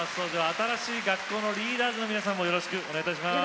新しい学校のリーダーズの皆さんもよろしくお願いいたします。